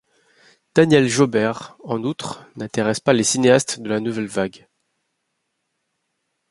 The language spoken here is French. Danièle Gaubert, en outre, n'intéresse pas les cinéastes de la Nouvelle Vague.